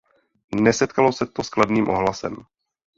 Nesetkalo se to s kladným ohlasem.